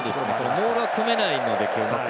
モールが組めないので。